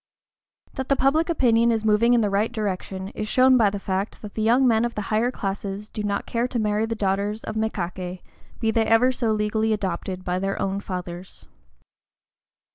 That public opinion is moving in the right direction is shown by the fact that the young men of the higher classes do not care to marry the daughters of mékaké, be they ever so legally adopted by their own fathers.